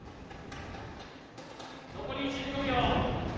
残り１５秒。